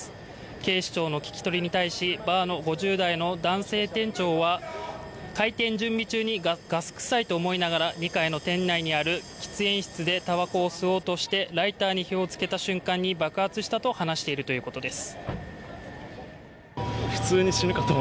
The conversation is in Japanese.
警視庁の聞き取りに対しバーの５０代の男性店長は開店準備中にガス臭いと思いながら２階の店内にある喫煙室でたばこを吸おうとしてライターに火を付けた瞬間に爆発したと話しているということです。